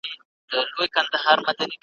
د پاکستان له نظامي چارواکو